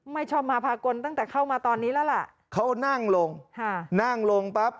ไม่ชอบมาพากลตั้งแต่เข้ามาตอนนี้แล้วล่ะเขานั่งลงค่ะนั่งลงปั๊บ